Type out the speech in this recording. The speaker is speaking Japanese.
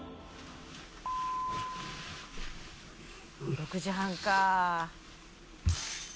６時半か。